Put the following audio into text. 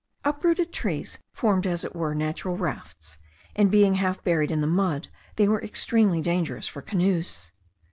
Uprooted trees formed as it were natural rafts; and being half buried in the mud, they were extremely dangerous for canoes.